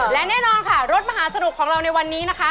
และแน่นอนค่ะรถมหาสนุกของเราในวันนี้นะคะ